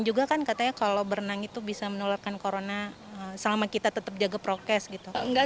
juga kan katanya kalau berenang itu bisa menularkan corona selama kita tetap jaga prokes gitu enggak